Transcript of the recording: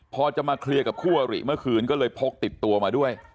พอจะมาเคลียร์กับคู่อริเมื่อคืนก็เลยพกติดตัวมาด้วย